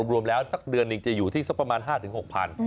รวมแล้วสักเดือนหนึ่งจะอยู่ที่สักประมาณ๕๖๐๐บาท